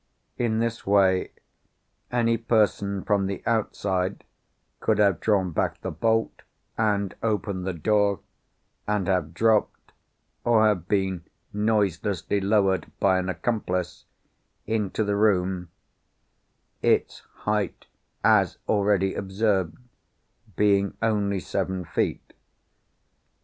In this way, any person from the outside could have drawn back the bolt, and opened the door, and have dropped (or have been noiselessly lowered by an accomplice) into the room—its height, as already observed, being only seven feet.